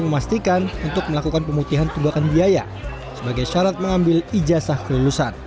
memastikan untuk melakukan pemutihan tunggakan biaya sebagai syarat mengambil ijazah kelulusan